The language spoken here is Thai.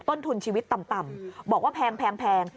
ต้นทุนชีวิตต่ำบอกว่าแพง